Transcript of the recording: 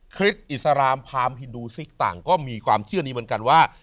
ริสอิสรามพามฮินดูซิกต่างก็มีความเชื่อนี้เหมือนกันว่า